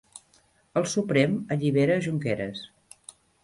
El Suprem allibera a Junqueras